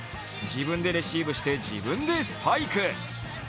自分でレシーブして自分でスパイク。